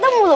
tak apa de